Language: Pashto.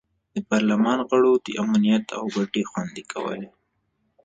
د پارلمان غړو د امنیت او ګټې خوندي کولې.